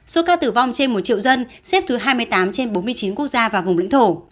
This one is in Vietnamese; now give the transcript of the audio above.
số ca tử vong trên một triệu dân xếp thứ hai mươi tám trên bốn mươi chín quốc gia và vùng lãnh thổ